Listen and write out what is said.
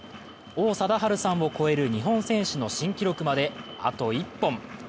王貞治さんを超える日本選手の新記録まで、あと１本。